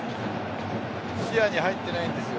視野に入っていないんですよ。